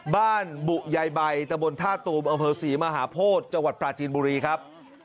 บรรบุยายใบตะบนท่าตูมอำเภอศรีมหาโพธิจังหวัดปราจีนบุรีครับ